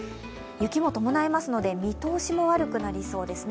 雪も伴いますので見通しも悪くなりそうですね。